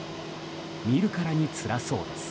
見るからにつらそうです。